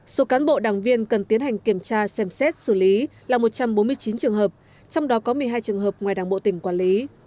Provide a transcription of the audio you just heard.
số cán bộ đảng viên cần tiến hành kiểm tra xem xét xử lý là một trăm bốn mươi chín trường hợp trong đó có một mươi hai trường hợp ngoài đảng bộ tỉnh quản lý